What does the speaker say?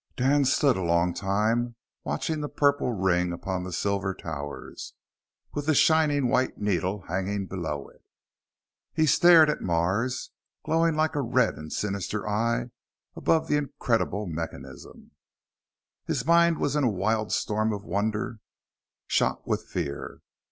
Dan stood a long time, watching the purple ring upon the silver towers, with the shining white needle hanging below it. He stared at Mars, glowing like a red and sinister eye above the incredible mechanism. His mind was in a wild storm of wonder shot with fear.